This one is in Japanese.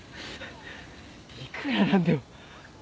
いくらなんでも。